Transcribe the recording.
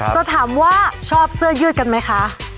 จะถามว่าชอบเสื้อยืดกันไหมคะ